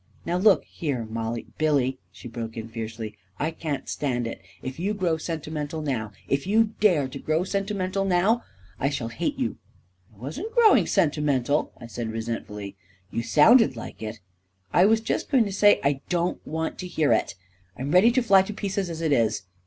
Now, look here, Mollie ..."" Billy," she broke in fiercely, " I can't stand it I If you grow sentimental now — if you dare to grow sentimental now !—> I shall hate you !"" I wasn't growing sentimental," I said resent fully. "You sounded like it!" " I was just going to say ..."" I don't want to hear it I I'm ready to fly to pieces as it is